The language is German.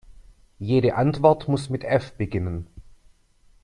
Jede Antwort muss mit F beginnen.